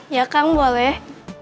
ya kang boleh